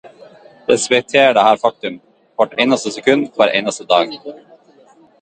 Respekter dette faktum, hvert eneste sekund, hver eneste dag